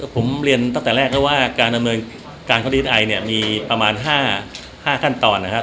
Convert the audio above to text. ผมเรียนตั้งแต่แรกแล้วว่าการดำเนินการเขาดีไอเนี่ยมีประมาณ๕ขั้นตอนนะครับ